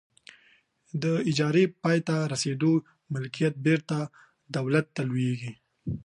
د اجارې په پای ته رسیدو ملکیت بیرته دولت ته لویږي.